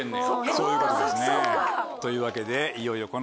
そういうことですね。というわけで。